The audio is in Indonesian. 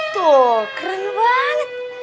tuh keren banget